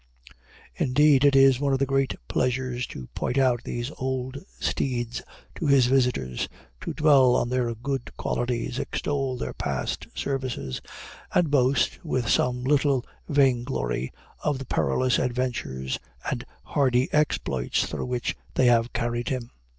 Indeed, it is one of his great pleasures to point out these old steeds to his visitors, to dwell on their good qualities, extol their past services, and boast, with some little vainglory, of the perilous adventures and hardy exploits through which they have carried him.